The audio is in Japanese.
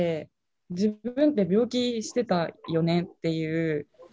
自分って病気してたよねっていう。